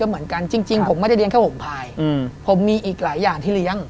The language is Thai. มีอีกหลายอย่างที่เลี้ยง